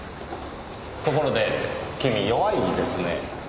ところで君弱いんですね。